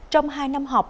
trong hai năm học